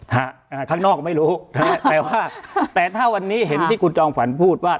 ฮะข้างนอกก็ไม่รู้แต่ว่าแต่ถ้าวันนี้เห็นที่คุณจองฝรพูดว่า